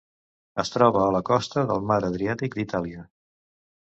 Es troba a la costa del Mar Adriàtic d'Itàlia.